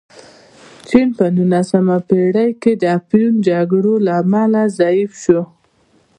چین په نولسمه پېړۍ کې د افیون جګړو له امله ضعیف شو.